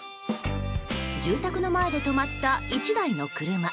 住宅の前で止まった１台の車。